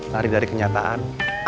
lari dari kenyataan